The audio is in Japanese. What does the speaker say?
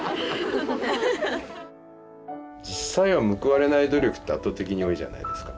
実際は報われない努力って圧倒的に多いじゃないですか。